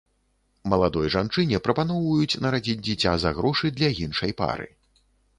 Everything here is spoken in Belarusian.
Маладой жанчыне прапаноўваюць нарадзіць дзіця за грошы для іншай пары.